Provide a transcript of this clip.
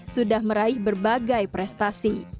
sudah meraih berbagai prestasi